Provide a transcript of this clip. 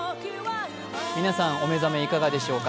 皆さん、お目覚めいかがでしょうか。